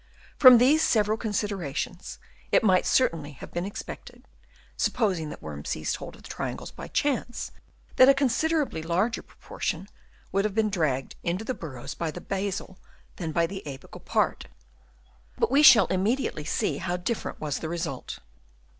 From these several considerations it might certainly have been expected, supposing that worms seized hold of the triangles by chance, that a considerably larger proportion would have 88 HABITS OF WORMS. Chap. II. been dragged into the burrows by the basal than by the apical part; but we shall im mediately see how different was the result.